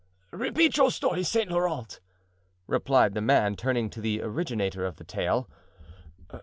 "Repeat your story, Saint Laurent," replied the man, turning to the originator of the tale.